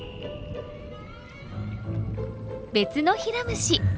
別のヒラムシ。